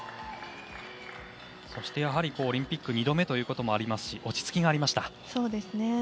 そしてやはりオリンピック２度目ということで落ち着きがありました。